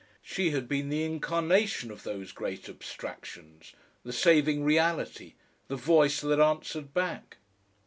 She had been the incarnation of those great abstractions, the saving reality, the voice that answered back.